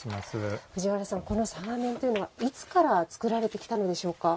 藤原さん、この嵯峨面というのはいつから作られてきたのでしょうか？